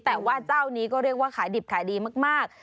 แต่ว่าเจ้านี้ก็เรียกว่าขายดิบขายดีมาก